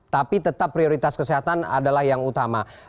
tapi tetap prioritas kesehatan adalah yang utama